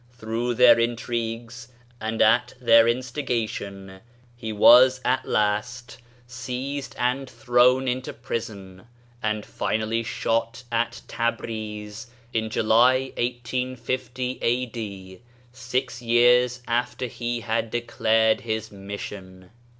Through their intrigues and at their instigation he was at last seized and thrown into prison, and finally shot at Tabriz, in July, 1850 A.D., six years after he had declared his mission.